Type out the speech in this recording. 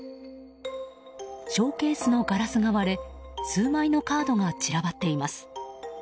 ショーケースのガラスが割れ数枚のカードが散らばっています。